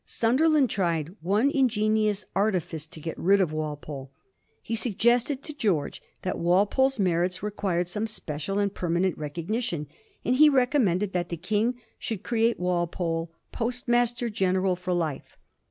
Sunderland tried one ingenious artifice to get rid of Walpole. He suggested to George that Walpole's merits required some special and permanent recognition, and he recommended that the King should create Walpole Postmaster General for life.